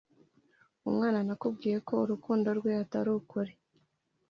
mwana nakubwiye ko urukundo rwe rutari ukuri.